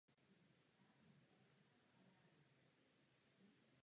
Ale podle něj se tento přechod musí uskutečnit.